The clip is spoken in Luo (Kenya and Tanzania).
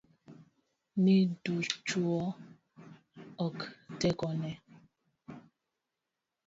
Ni dichuo kod tekone.